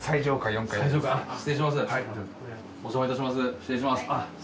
失礼します。